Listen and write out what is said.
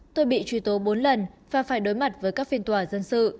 tôi bị truy tố bốn lần và phải đối mặt với các phiên tòa dân sự